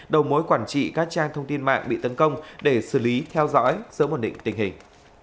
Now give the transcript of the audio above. đầu mối quản trị các trang thông tin mạng bị tấn công để xử lý theo dõi sớm ổn định tình hình